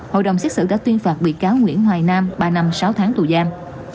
hội đồng xét xử đã tuyên phạt bị cáo nguyễn hoài nam ba năm sáu tháng tù giam